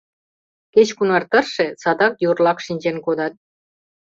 Кеч-кунар тырше — садак йорлак шинчен кодат.